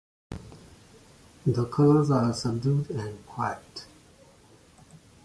The colours are subdued and quiet.